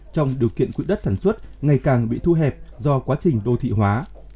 trong điều kiện quỹ đất sản xuất ngày càng bị thu hẹp do quá trình đô thị hóa